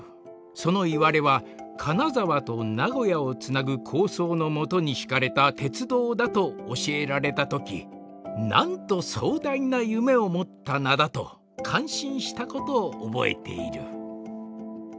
そのいわれは金沢と名古屋をつなぐ構想の基に敷かれた鉄道だと教えられたときなんと壮大な夢を持った名だと感心したことを覚えている」。